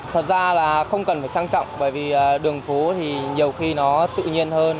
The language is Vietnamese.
thật ra là không cần phải sang trọng bởi vì đường phố thì nhiều khi nó tự nhiên hơn